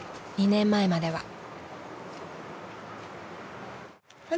２年前までは］